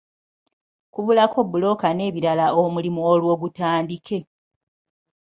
Kubulako bbulooka n'ebirala omulimu olwo gutandike.